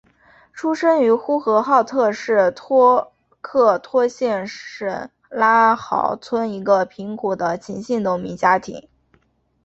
出生于呼和浩特市托克托县什拉毫村一个贫苦的秦姓农民家庭。